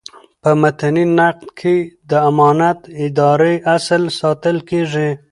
په متني نقد کي د امانت دارۍاصل ساتل کیږي.